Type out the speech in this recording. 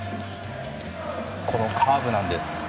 このカーブなんです。